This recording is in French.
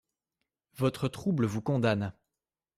Votre trouble vous condamne.